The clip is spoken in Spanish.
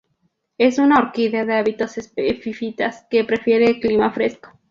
Es una orquídea de hábitos epífitas que prefiere el clima fresco.